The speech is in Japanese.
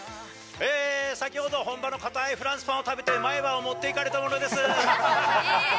先ほど、本場の堅いフランスパンを食べて、前歯を持っていかれた者です。